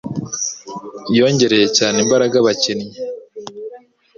Yongerera cyane imbaraga abakinnyi